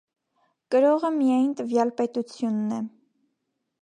Կրողը միայն տվյալ պետությունն է։